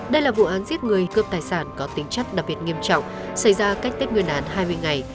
đây là vụ án giết người cướp tài sản có tính chất đặc biệt nghiêm trọng xảy ra cách tết nguyên đán hai mươi ngày